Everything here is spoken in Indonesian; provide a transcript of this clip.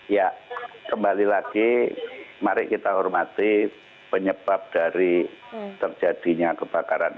ya kembali lagi mari kita hormati penyebab dari terjadinya kebakaran